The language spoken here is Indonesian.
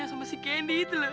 sama si candy itu lah